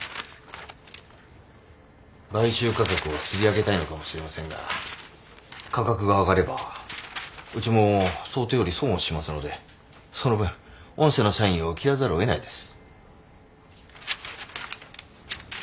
買収価格をつり上げたいのかもしれませんが価格が上がればうちも想定より損はしますのでその分御社の社員を切らざるを得ないです。